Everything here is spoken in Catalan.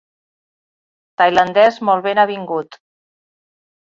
Tailandès molt ben avingut.